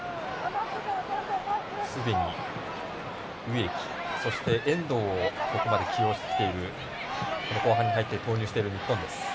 すでに植木そして、遠藤を起用してきてる後半に入って投入している日本です。